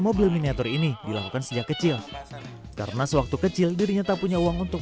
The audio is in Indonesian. mobil miniatur ini dilakukan sejak kecil karena sewaktu kecil dirinya tak punya uang untuk